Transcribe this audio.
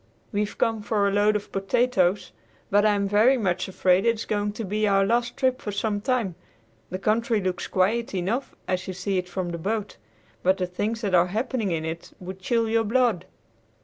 We've come for a load of potatoes, but I am very much afraid it is going to be our last trip for some time. The country looks quiet enough as you see it from the boat, but the things that are happening in it would chill your blood."